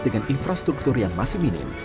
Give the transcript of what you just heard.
dengan infrastruktur yang masih minim